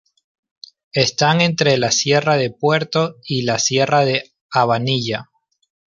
Está entre la sierra del Puerto y la sierra de Abanilla.